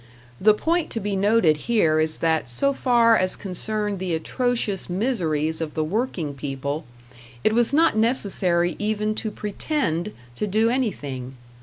The point to be noted here is that so far as concerned the atrocious miseries of the working people, it was not necessary even to pretend to do anything.